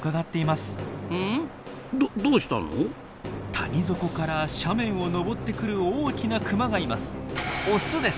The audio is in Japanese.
谷底から斜面を登ってくる大きなクマがいます。